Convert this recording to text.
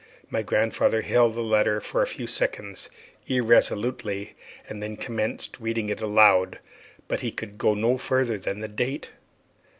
My grandfather held the letter a few seconds irresolutely, and then commenced reading it aloud; but he could get no further than the date.